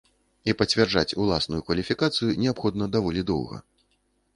І пацвярджаць уласную кваліфікацыю неабходна даволі доўга.